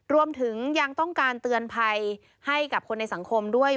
รวมถึงยังต้องการเตือนภัยให้กับคนในสังคมด้วย